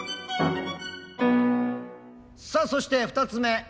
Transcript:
さあそして２つ目。